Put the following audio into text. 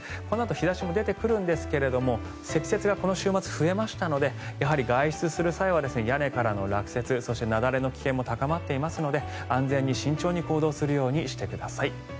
このあと日差しも出てくるんですが積雪がこの週末、増えましたのでやはり外出する際は屋根からの落雪そして雪崩の危険も高まっていますので安全に慎重に行動するようにしてください。